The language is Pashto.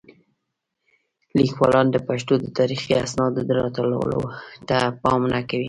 لیکوالان د پښتو د تاریخي اسنادو د راټولولو ته پام نه کوي.